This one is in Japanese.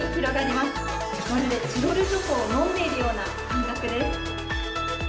まるでチロルチョコを飲んでいるような感覚です。